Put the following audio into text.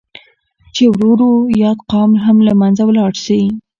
چې ورو ورو ياد قوم هم لمنځه ولاړ شي.